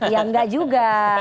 ya enggak juga